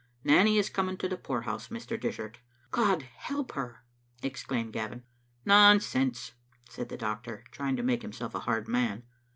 Nanny is coming to the poorhouse, Mr. Dishart." " God help her!" exclaimed Gavin. " Nonsense," said the doctor, trying to make himself a hard man.